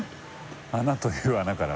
穴という穴から。